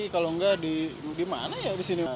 kalau nggak di mana ya disini